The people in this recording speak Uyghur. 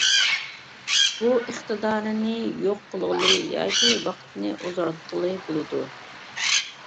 بۇ ئىقتىدارىنى يوق قىلغىلى ياكى ۋاقىتنى ئۇزارتقىلى بولىدۇ.